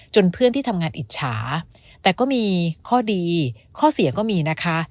เพื่อนที่ทำงานอิจฉาแต่ก็มีข้อดีข้อเสียก็มีนะคะ